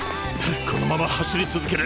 このまま走り続ける。